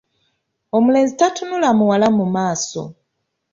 Omulenzi tatunula muwala mu maaso.